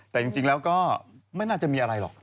แต่จริงแล้วก็ไม่น่าจะมีอะไรหรอก